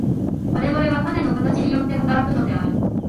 我々は種の形によって働くのである。